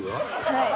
はい。